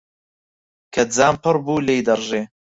کە جام پڕ بوو، لێی دەڕژێ.